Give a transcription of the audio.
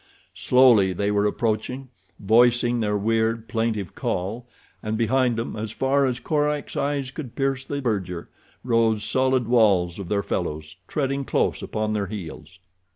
Slowly they were approaching, voicing their weird, plaintive call, and behind them, as far as Korak's eyes could pierce the verdure, rose solid walls of their fellows treading close upon their heels.